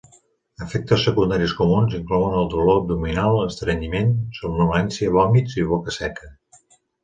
Efectes secundaris comuns inclouen el dolor abdominal, estrenyiment, somnolència, vòmits i boca seca.